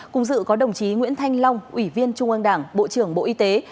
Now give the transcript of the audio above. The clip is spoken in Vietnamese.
cùng dự có đồng chí nguyễn thanh long ủy viên trung ương đảng bộ trưởng bộ y tế